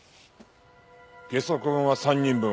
ゲソ痕は３人分。